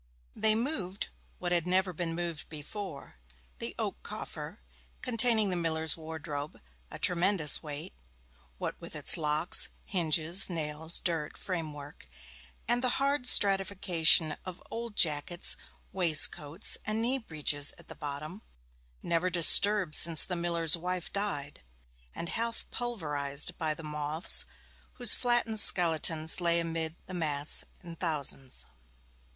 They moved what had never been moved before the oak coffer, containing the miller's wardrobe a tremendous weight, what with its locks, hinges, nails, dirt, framework, and the hard stratification of old jackets, waistcoats, and knee breeches at the bottom, never disturbed since the miller's wife died, and half pulverized by the moths, whose flattened skeletons lay amid the mass in thousands.